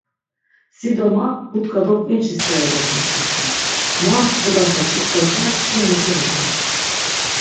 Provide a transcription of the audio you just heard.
Si do ma but̆k̆a do k̆vinçi steri vort̆it tzoxle, nam mp̌ulaşa k̆itxesna çkin miçinopt̆es.